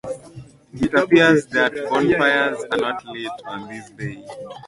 It appears that bonfires are not lit on this day.